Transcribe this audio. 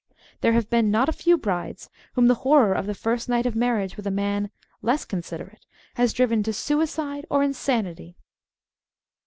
There have been not a few brides whom the horror of the first night of marriage with a man less considerate has driven to suicide or insanity.